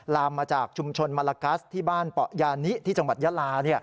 ลามมาจากชุมชนมาลากัสที่บ้านเปาะยานิที่จังหวัดยาลา